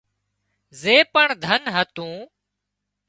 زي پڻ ڌن هتون